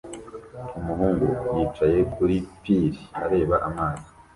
Umuhungu yicaye kuri pir areba amazi